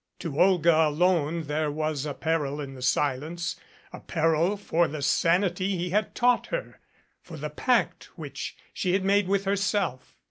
To Olga alone there was a peril in the silence, a peril for the sanity he had taught her, for the pact which , had made with herself.